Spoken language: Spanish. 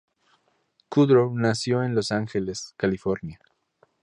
Kudrow nació en Los Ángeles, California.